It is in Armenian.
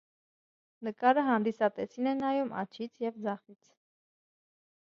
Նկարը հանդիսատեսին է նայում աջից և ձախից։